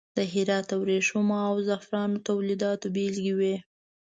د هرات د وریښمو او زغفرانو تولیداتو بیلګې وې.